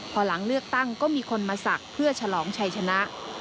พอหลังเลือกตั้งก็มีคนมาศักดิ์เพื่อฉลองชัยชนะ